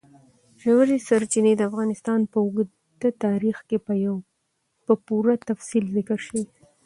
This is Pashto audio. ژورې سرچینې د افغانستان په اوږده تاریخ کې په پوره تفصیل ذکر شوی.